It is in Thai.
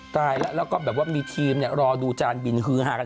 ตายแล้วแล้วก็แบบว่ามีทีมรอดูจานบินฮือฮากัน